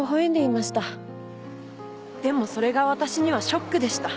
でもそれが私にはショックでした。